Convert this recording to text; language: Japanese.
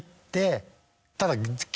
ただ。